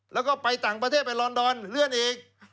แล้วก็ไปต่างประเทศไปลอนดอนเลื่อนอีก